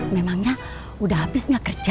memangnya udah habis nggak kerja